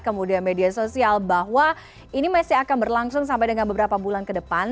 kemudian media sosial bahwa ini masih akan berlangsung sampai dengan beberapa bulan ke depan